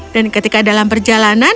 dan ketika dalam perjalanan